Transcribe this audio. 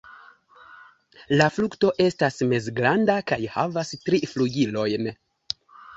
La frukto estas mezgranda kaj havas tri flugilojn.